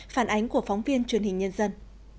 phản ánh của phóng viên truyền hình nhân dân